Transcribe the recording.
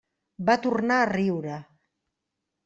Va tornar a riure.